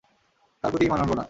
তার প্রতি ঈমান আনল না।